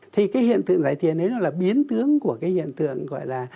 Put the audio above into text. thì cái hiện tượng giải tiền ấy là biến tướng của cái hiện tượng gọi là